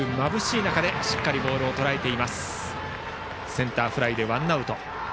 センターフライでワンアウト。